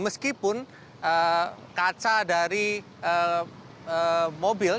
meskipun kaca dari mobil